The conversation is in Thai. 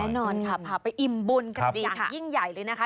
แน่นอนค่ะพาไปอิ่มบุญกันอย่างยิ่งใหญ่เลยนะคะ